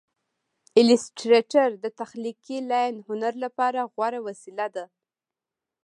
ایلیسټریټر د تخلیقي لاین هنر لپاره غوره وسیله ده.